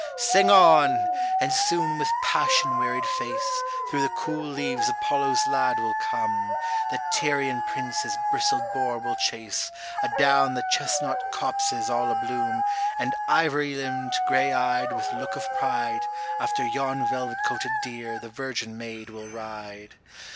Sing on ! and soon with passion wearied face Through the cool leaves Apollo's lad will come, The Tyrian prince his bristled boar will chase Adown the chestnut copses all a bloom, And ivory limbed, gray eyed, with look of pride, After yon velvet coated deer the virgin maid will ride.